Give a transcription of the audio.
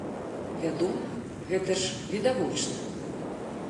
Вядома, гэта ж відавочна.